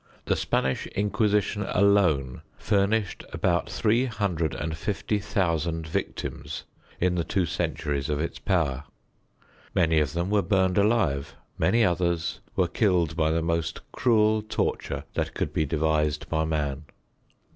The Spanish Inquisition alone furnished about 350,000 victims in the two centuries of its power. Many of them were burned alive, many others were killed by the most cruel torture that could be devised by man.